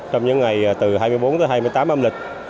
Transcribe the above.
trong những ngày từ hai mươi bốn tới hai mươi tám âm lịch